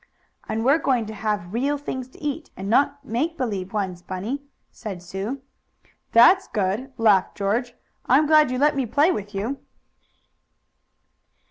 "And we're going to have real things to eat, and not make believe ones, Bunny," said Sue. "That's good!" laughed George. "I'm glad you let me play with you."